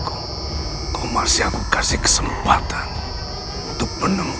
ong kamu bahkan kamu